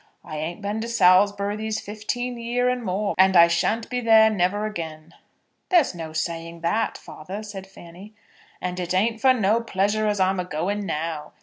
I ain't a been to Salsbry these fifteen year and more, and I shan't be there never again." "There's no saying that, father," said Fanny. "And it ain't for no pleasure as I'm agoing now.